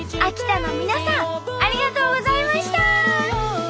秋田の皆さんありがとうございました！